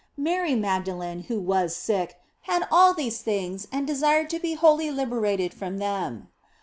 Mary Magdalene, who was sick, had all these things and desired to be wholly liberated from them.